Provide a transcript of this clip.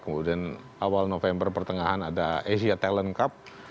kemudian awal november pertengahan ada asia talent cup